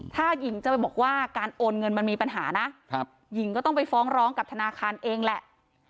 ถ้าหญิงจะไปบอกว่าการโอนเงินมันมีปัญหานะหญิงก็ต้องไปฟ้องร้องกับธนาคารเองแหละ